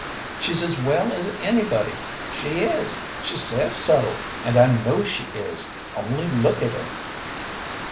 She's as well as anybody! She is! She says so, and I know she is! Only look at her!"